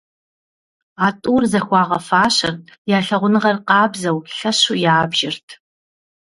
А тӏур зыхуагъэфащэрт, я лъагъуныгъэр къабзэу, лъэщу ябжырт.